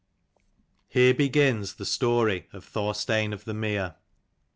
HERE BEGINS THE STORY OF THOR STEIN OF THE MERE.